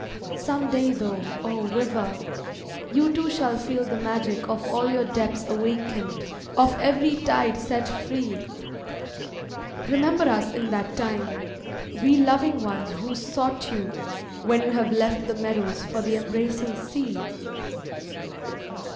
Some day though, oh, river! you too shall feel the magic Of all your depths awakened, of every tide set free; Remember us in that time, we loving ones who sought you, When you have left the meadows for the embracing sea!